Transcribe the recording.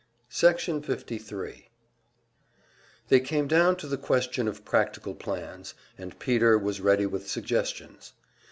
Section 53 They came down to the question of practical plans, and Peter was ready with suggestions.